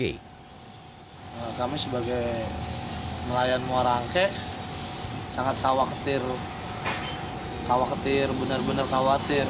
kami sebagai nelayan muara angke sangat khawatir khawatir benar benar khawatir